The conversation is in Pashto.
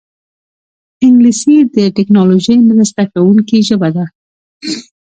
انګلیسي د ټیکنالوژۍ مرسته کوونکې ژبه ده